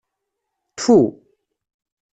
Ttfu!